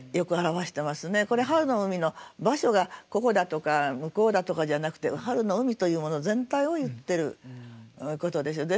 これ春の海の場所がここだとか向こうだとかじゃなくて春の海というもの全体を言ってることでしょう。